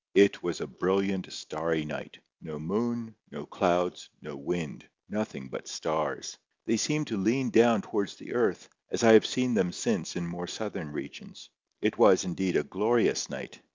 It was a brilliant starry night; no moon, no clouds, no wind, nothing but stars. They seemed to lean down towards the earth, as I have seen them since in more southern regions. It was, indeed, a glorious night.